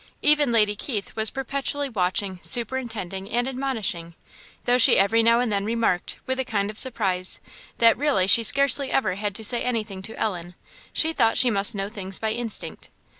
Even Lady Keith was perpetually watching, superintending, and admonishing; though she every now and then remarked, with a kind of surprise, that "really she scarcely ever had to say anything to Ellen; she thought she must know things by instinct."